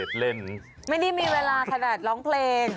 ไม่ได้มีเวลาขนาดร้องเพลง